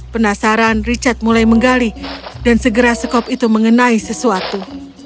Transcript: penasaran richard mulai menggali dan segera skop itu mengenai sesuatu